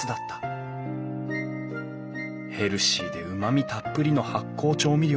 ヘルシーでうまみたっぷりの発酵調味料。